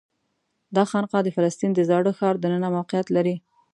دا خانقاه د فلسطین د زاړه ښار دننه موقعیت لري.